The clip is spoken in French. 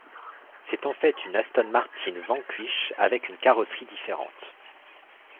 C'est en fait une Aston Martin Vanquish avec une carrosserie différente.